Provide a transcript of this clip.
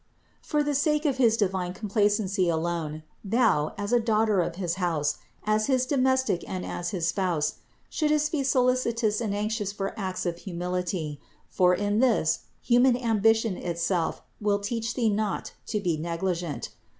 For the sake of this divine complacency alone, thou, as a daughter of his house, as his domestic and as his spouse, shouldst be solicitous and anxious for acts of humility; for in this, human ambition itself will teach thee not to be negligent.